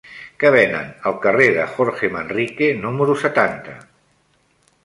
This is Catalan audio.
Què venen al carrer de Jorge Manrique número setanta?